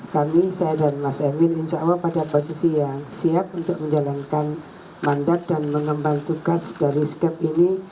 kami saya dan mas emin insya allah pada posisi yang siap untuk menjalankan mandat dan mengembang tugas dari skep ini